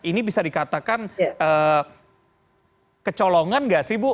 ini bisa dikatakan kecolongan nggak sih bu